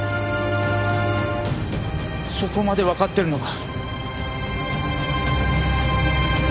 そこまでわかってるのか。